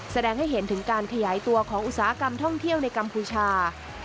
แสดงให้เห็นถึงการขยายตัวของอุตสาหกรรมท่องเที่ยวในกัมพูชา